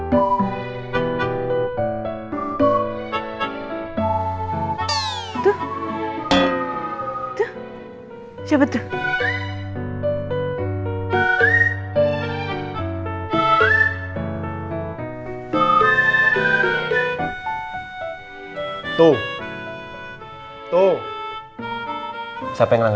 mereka semua salah